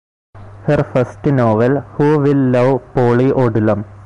Her first novel, Who Will Love Polly Odlum?